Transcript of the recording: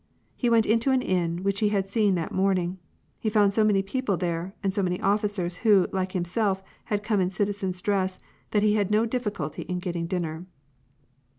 He went into an inn which he had seen that morning. He found so many people there, and so many oflUcers, who, like himself, had come in citizen's dress, that he had difficulty in getting dinner.